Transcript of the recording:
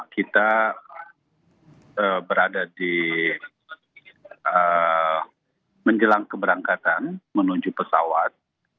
kita berada di menjelang keberangkatan menuju pesawat